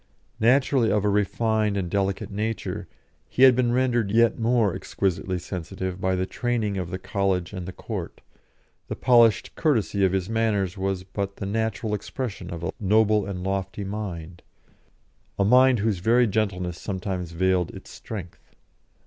Naturally of a refined and delicate nature, he had been rendered yet more exquisitely sensitive by the training of the college and the court; the polished courtesy of his manners was but the natural expression of a noble and lofty mind a mind whose very gentleness sometimes veiled its strength.